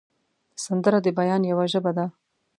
سندره د بیان یوه ژبه ده